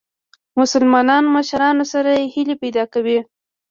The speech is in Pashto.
مسلمانو مشرانو سره هیلي پیدا کړې.